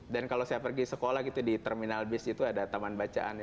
dan kalau saya pergi sekolah gitu di terminal bis itu ada taman bacaan